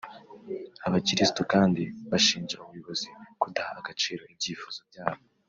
Abakirisitu kandi bashinja ubuyobozi kudaha agaciro ibyifuzo byabo